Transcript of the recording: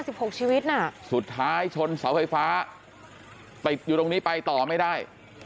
หกชีวิตน่ะสุดท้ายชนเสาไฟฟ้าติดอยู่ตรงนี้ไปต่อไม่ได้